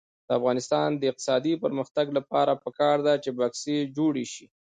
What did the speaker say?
د افغانستان د اقتصادي پرمختګ لپاره پکار ده چې بکسې جوړې شي.